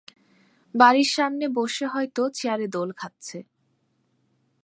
বাড়ির সামনে বসে হয়ত চেয়ারে দোল খাচ্ছে।